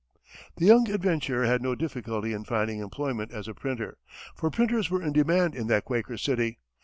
The young adventurer had no difficulty in finding employment as a printer, for printers were in demand in that Quaker city.